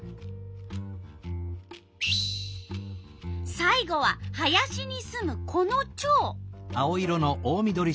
さい後は林にすむこのチョウ。